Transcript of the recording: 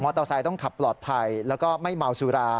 เตอร์ไซค์ต้องขับปลอดภัยแล้วก็ไม่เมาสุรา